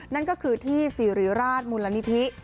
นั่นก็คือที่สิริราชมูลนิธิ